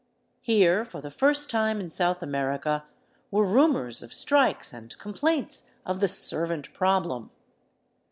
Here, for the first time in South America, were rumors of strikes and complaints of the " serv ant problem."